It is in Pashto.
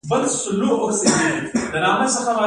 د دال پوستکی د هضم لپاره لرې کړئ